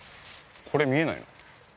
これ見えないの？